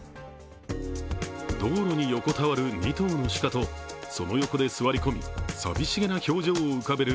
道路に横たわる２頭の鹿とその横で座り込み寂しげな表情を浮かべる